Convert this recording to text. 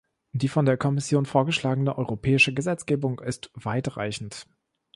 Die von der Kommission vorgeschlagene europäische Gesetzgebung ist weitreichend.